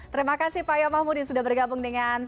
terima kasih pak yom mahmud yang sudah bergabung dengan cnn news